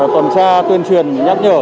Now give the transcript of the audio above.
tuần tra tuyên truyền nhắc nhở